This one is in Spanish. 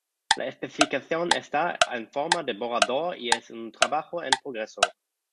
La especificación está en forma de borrador y es un trabajo en progreso.